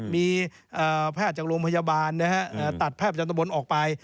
มีแพทย์จากโรงพยาบาลตัดแพทย์ประจำตะบนออกไป